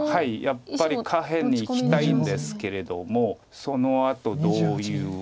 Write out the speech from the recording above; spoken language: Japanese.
やっぱり下辺にいきたいんですけれどもそのあとどういう。